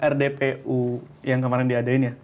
rdpu yang kemarin diadain ya